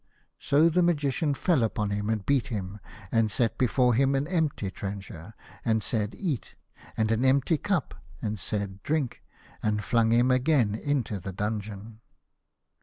So the Magician fell upon him, and beat him, and set before him an empty trencher, and said, " Eat," and an empty cup, and said, " Drink," and flung him again into the dungeon.